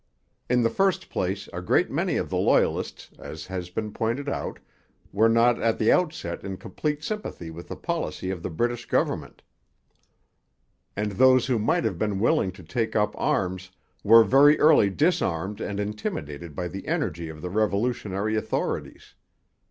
In the first place a great many of the Loyalists, as has been pointed out, were not at the outset in complete sympathy with the policy of the British government; and those who might have been willing to take up arms were very early disarmed and intimidated by the energy of the revolutionary authorities.